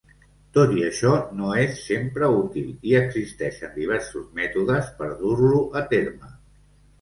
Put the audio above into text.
Tot i això no és sempre útil i existeixen diversos mètodes per dur-lo a terme.